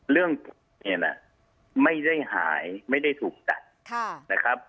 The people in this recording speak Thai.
เรื่องเนี่ยนะไม่ได้หายไม่ได้ถูกตัดนะครับ